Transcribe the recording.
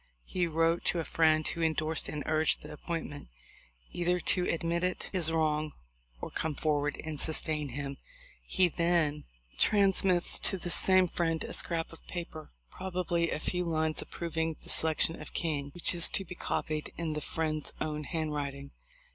He wrote to a friend who endorsed and urged the appointment, "either to admit it is wrong, or come forward and sustain him." He then 292 THE LIFE 0F LINCOLN. transmits to this same friend a scrap of paper — pro bably a few lines approving the selection of King — which is to be copied in the friend's own handwrit ing.